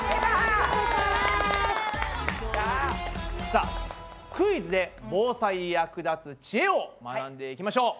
さあクイズで防災に役立つ知恵を学んでいきましょう。